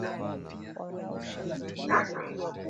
sin ali abadel ben ali kutogombea tena wadhifa wake